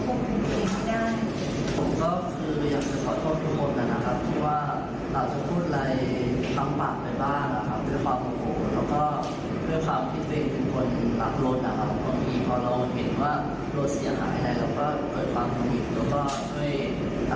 ก็เลยทำให้อาจจะดูรุนแรงกว่าเหตุการณ์ปกติที่ผมเจอได้ในสังคมนะครับ